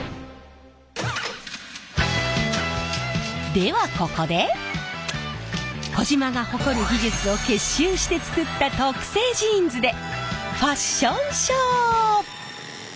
ではここで児島が誇る技術を結集して作った特製ジーンズでファッションショー！